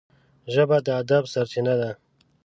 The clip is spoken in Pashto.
ژبه د ادب سرچینه ده